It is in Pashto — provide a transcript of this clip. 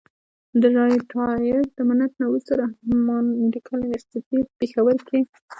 د ريټائرډ منټ نه وروستو رحمان مېډيکل انسټيتيوټ پيښور کښې